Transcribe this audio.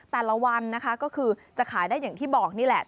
แต่ละวันนะคะก็คือจะขายได้อย่างที่บอกนี่แหละ